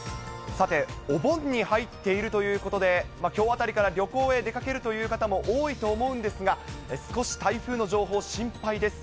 さて、お盆に入っているということで、きょうあたりから旅行へ出かけるという方も多いと思うんですが、少し台風の情報、心配です。